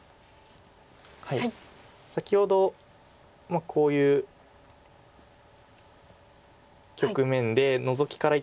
先ほどこういう局面でノゾキからいったんですけど。